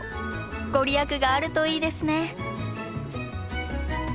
御利益があるといいですね。